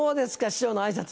師匠の挨拶は。